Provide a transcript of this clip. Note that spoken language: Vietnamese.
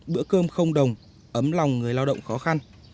bữa cơm không đồng ấm lòng người lao động khó khăn